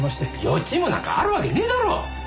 予知夢なんかあるわけねえだろ！